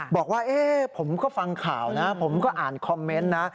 บอกว่าผมก็ฟังข่าวนะผมก็อ่านคอมเมนต์นะ